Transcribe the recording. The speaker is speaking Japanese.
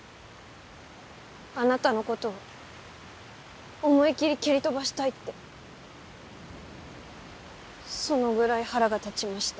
あなたの事を思い切り蹴り飛ばしたいってそのぐらい腹が立ちました。